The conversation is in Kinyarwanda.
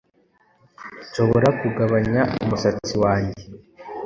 Nshobora kugabanya umusatsi wanjye